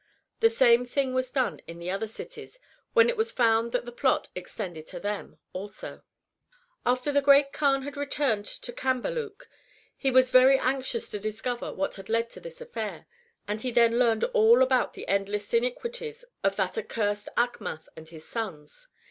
The same thing was done in the other cities, when it was found that the plot extended to them also. VOL. I. 2 D 2 420 MARCO POLO Book II. After the Great Kaan had returned to Cambaluc he was very anxious to discover what had led to this affair, and he then learned all about the endless iniquities of that accursed Achmath and his sons.